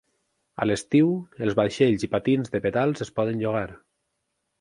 A l'estiu, els vaixells i patins de pedals es poden llogar.